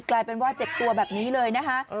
กลายเป็นว่าเจ็บตัวแบบนี้เลยนะคะ